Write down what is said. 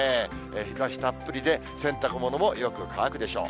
日ざしたっぷりで、洗濯物もよく乾くでしょう。